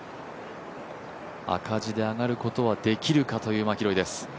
赤字で上がることはできるかというマキロイです。